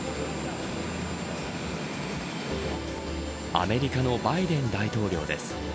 アメリカのバイデン大統領です。